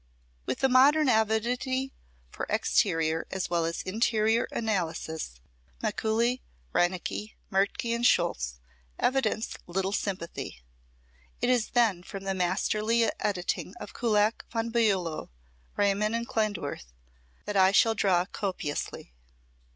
With the modern avidity for exterior as well as interior analysis, Mikuli, Reinecke, Mertke and Scholtz evidence little sympathy. It is then from the masterly editing of Kullak, Von Bulow, Riemann and Klindworth that I shall draw copiously.